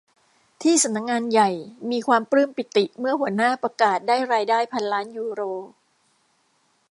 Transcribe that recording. ที่สำนักงานใหญ่มีความปลื้มปีติเมื่อหัวหน้าประกาศได้รายได้พันล้านยูโร